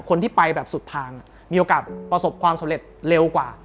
คนที่ไปแบบสุดทางมีโอกาสประสบความสำเร็จเร็วกว่า